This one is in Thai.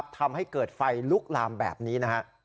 ทำให้เกิดไฟลุกลามแบบนี้นะฮะ